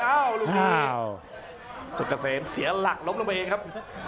ลูกอ้าวสุกเกษมเสียหลักล้มลงไปเองครับ